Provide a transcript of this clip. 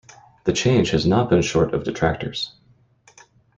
The change has not been short of detractors.